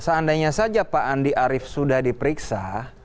seandainya saja pak andi arief sudah diperiksa